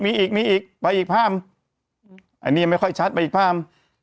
มีอีกมีอีกไปอีกภาพอันนี้ไม่ค่อยชัดไปอีกภาพ